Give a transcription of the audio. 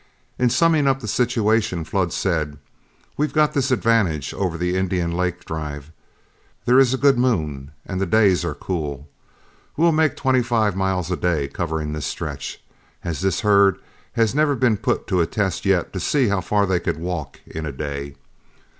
In summing up the situation, Flood said, "We've got this advantage over the Indian Lake drive: there is a good moon, and the days are cool. We'll make twenty five miles a day covering this stretch, as this herd has never been put to a test yet to see how far they could walk in a day.